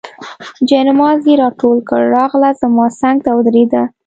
جاینماز یې راټول کړ، راغله زما څنګ ته ودرېده.